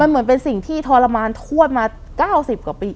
มันเหมือนเป็นสิ่งที่ทรมานทวดมาเก้าสิบกว่าปี